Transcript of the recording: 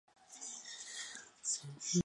车站周边是秦野市中心。